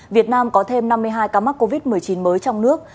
việt nam có thêm năm mươi hai ca mắc covid một mươi chín mới trong nước